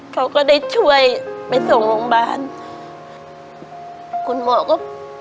เขาก็ได้ช่วยไปส่งโรงพยาบาลคุณหมอก็